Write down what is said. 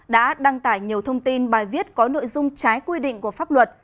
đã đăng tải nhiều thông tin bài viết có nội dung trái quy định của pháp luật